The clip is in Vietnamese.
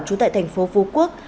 chú tại thành phố phú quốc